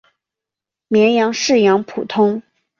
绵羊饲养普通。